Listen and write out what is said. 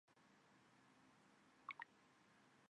因此辉钼矿易解理。